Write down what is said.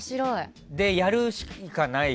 やるしかない。